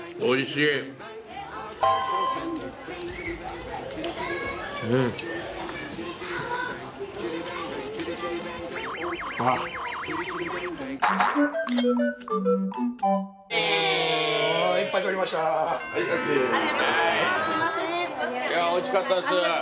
いやおいしかったです。